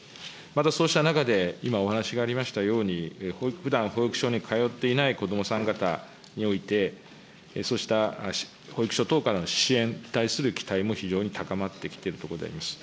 また、そうした中で、今お話がありましたように、ふだん保育所に通っていない子どもさん方において、そうした保育所等からの支援に対する期待も非常に高まってきているところであります。